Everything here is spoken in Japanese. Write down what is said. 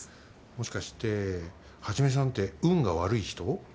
もしかして一さんって運が悪い人？